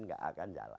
nggak akan jalan